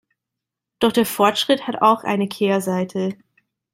Doch der Fortschritt hat auch eine Kehrseite.